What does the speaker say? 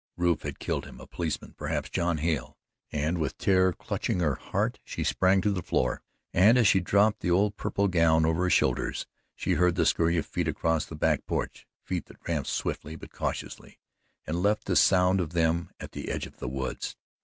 Rufe had killed him a policeman perhaps John Hale and with terror clutching her heart she sprang to the floor, and as she dropped the old purple gown over her shoulders, she heard the scurry of feet across the back porch feet that ran swiftly but cautiously, and left the sound of them at the edge of the woods.